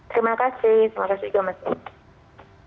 terima kasih terima kasih juga mas